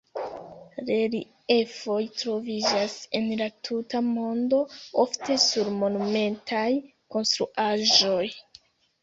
Reliefoj troviĝas en la tuta mondo, ofte sur monumentaj konstruaĵoj.